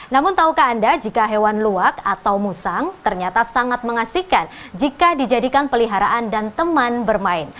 namun tahukah anda jika hewan luwak atau musang ternyata sangat mengasihkan jika dijadikan peliharaan dan teman bermain